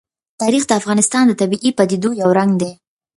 تاریخ د افغانستان د طبیعي پدیدو یو رنګ دی.